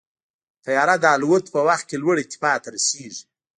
طیاره د الوت په وخت کې لوړ ارتفاع ته رسېږي.